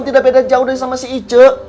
tidak beda jauh dari sama si ice